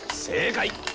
「正解！